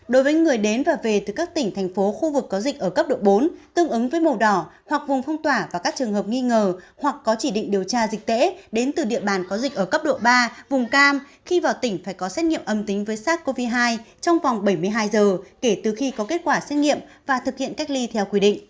đối với người đến và về từ các tỉnh thành phố khu vực có dịch ở cấp độ bốn tương ứng với màu đỏ hoặc vùng phong tỏa và các trường hợp nghi ngờ hoặc có chỉ định điều tra dịch tễ đến từ địa bàn có dịch ở cấp độ ba vùng cam khi vào tỉnh phải có xét nghiệm âm tính với sars cov hai trong vòng bảy mươi hai giờ kể từ khi có kết quả xét nghiệm và thực hiện cách ly theo quy định